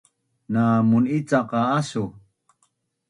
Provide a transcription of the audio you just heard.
na municaq qa asu?